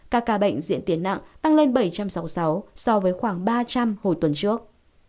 các ca bệnh diện tiền nặng tăng lên bảy trăm sáu mươi sáu so với khoảng ba trăm linh hồi tuần trước